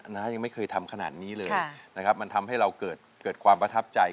น้ายังไม่เคยทำขนาดนี้เลยนะครับมันทำให้เราเกิดความประทับใจ